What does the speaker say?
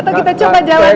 atau kita coba jalan yuk